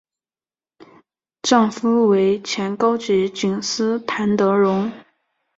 丈夫为前高级警司谭德荣。